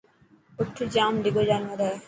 اَٺ جام ڊڳو جانور هي.